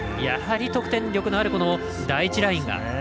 やはり得点力のある第１ラインが。